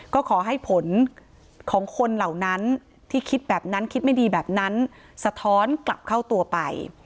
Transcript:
ก็ขอให้ผลของคนเหล่านั้นที่คิดแบบนั้นคิดไม่ดีแบบนั้นสะท้อนกลับเข้าตัวไป